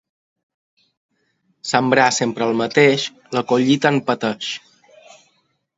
Sembrar sempre el mateix, la collita en pateix.